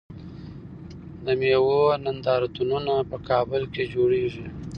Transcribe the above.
د میوو نندارتونونه په کابل کې جوړیږي.